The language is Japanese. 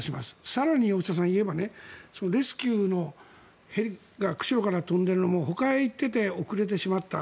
更に言えばレスキューのヘリが釧路から飛んでいるのもほかへ行っていて遅れてしまった。